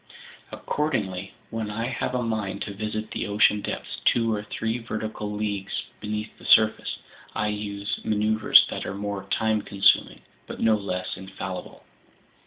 Accordingly, when I have a mind to visit the ocean depths two or three vertical leagues beneath the surface, I use maneuvers that are more time consuming but no less infallible."